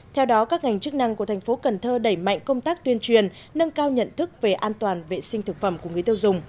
theo đó các ngành chức năng của thành phố cần thơ đẩy mạnh công tác tuyên truyền nâng cao nhận thức về an toàn vệ sinh thực phẩm của người tiêu dùng